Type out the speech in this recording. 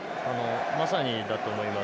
まさにだと思います。